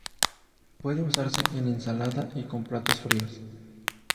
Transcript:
Puede usarse en ensalada y con platos fríos.